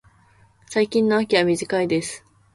最近の秋は短いです。